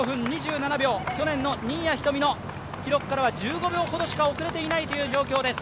去年の新谷仁美の記録からは１５秒ほどしか遅れていないという状況です。